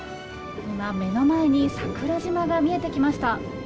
今、目の前に桜島が見えてきました。